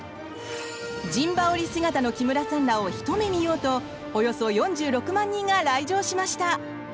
陣羽織姿の木村さんらをひと目見ようとおよそ４６万人が来場しました！